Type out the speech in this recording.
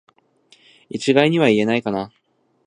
一概には言えないかな